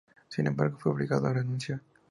Sin embargo, fue obligado a renunciar.